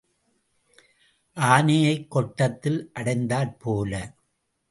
ஆனையைக் கொட்டத்தில் அடைத்தாற் போல.